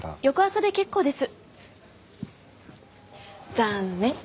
残念。